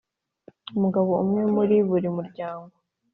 umugabo umwe muri buri muryango